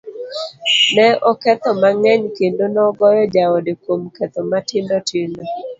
ne okecho mang'eny kendo nogoyo jaode kuom ketho matindo tindo